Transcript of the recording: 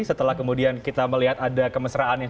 setelah kemudian kita melihat ada kemesraan yang